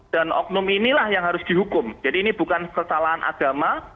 dan oknum inilah yang harus dihukum jadi ini bukan kesalahan agama